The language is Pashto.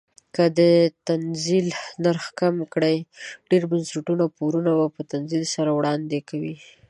که د تنزیل نرخ کم کړي ډیر بنسټونه پورونه په تنزیل سره وړاندې کوي.